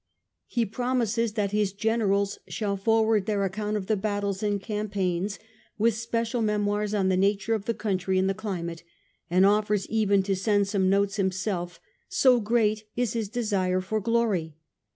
He promises that his generals shall forward their and Fronto account of the battles and campaigns, with special memoirs on the nature of the country panegyric, and the climate, and offers even to send soine notes himself, so great is his desire for glory.